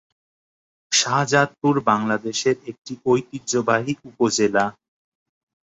শাহজাদপুর বাংলাদেশের একটি ঐতিহ্যবাহী উপজেলা।